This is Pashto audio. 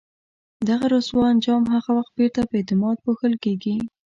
دغه رسوا انجام هغه وخت بیرته په اعتماد پوښل کېږي.